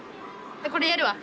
これやるわ。